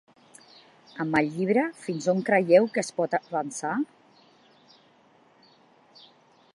Amb el llibre fins on creieu que es pot avançar?